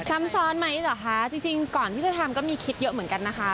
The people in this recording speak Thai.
ซ้ำซ้อนไหมเหรอคะจริงก่อนที่จะทำก็มีคิดเยอะเหมือนกันนะคะ